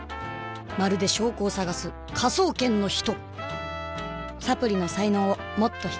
まるで証拠を探す「科捜研の人」！！